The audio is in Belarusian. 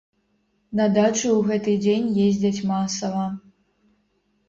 На дачу ў гэты дзень ездзяць масава.